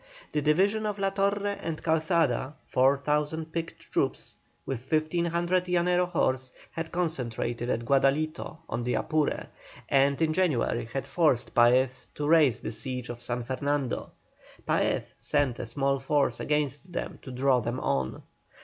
The divisions of La Torre and Calzada, 4,000 picked troops, with 1,500 Llanero horse, had concentrated at Guadalito on the Apure, and in January had forced Paez to raise the siege of San Fernando. Paez sent a small force against them to draw them on.